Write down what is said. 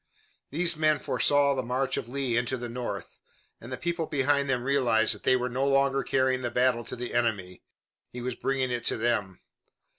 These men foresaw the march of Lee into the North, and the people behind them realized that they were no longer carrying the battle to the enemy. He was bringing it to them.